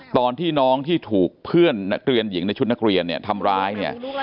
ตอนที่น้องที่ถูกเพื่อนนักเรียนหญิงในชุดนักเรียนเนี่ยทำร้ายเนี่ย